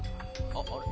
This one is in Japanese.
「あっあれ？